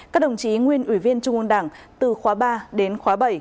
các đồng chí nguyên ủy viên trung ương đảng từ khóa ba đến khóa bảy